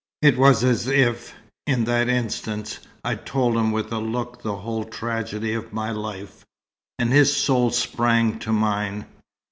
It was as if, in that instant, I told him with a look the whole tragedy of my life. And his soul sprang to mine.